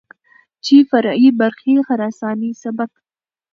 چې فرعي برخې خراساني سبک،